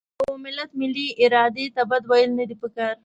د یوه ملت ملي ارادې ته بد ویل نه دي پکار.